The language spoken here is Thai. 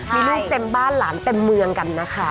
มีลูกเต็มบ้านหลานเต็มเมืองกันนะคะ